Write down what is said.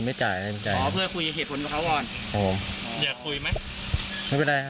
ไม่เป็นไร